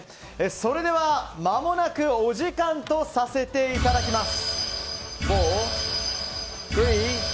それではまもなくお時間とさせていただきます。